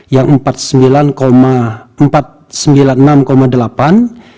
yang umum perlinsos yang